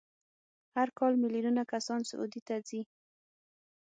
هر کال میلیونونه کسان سعودي ته ځي.